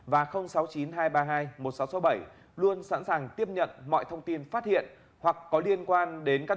năm nghìn tám trăm sáu mươi và sáu mươi chín hai trăm ba mươi hai một nghìn sáu trăm sáu mươi bảy luôn sẵn sàng tiếp nhận mọi thông tin phát hiện hoặc có liên quan đến các